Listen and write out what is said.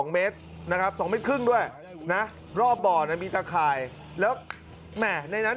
๒เมตรนะครับ๒เมตรครึ่งด้วยนะรอบบ่อน่ะมีตะข่ายแล้วแหม่ในนั้น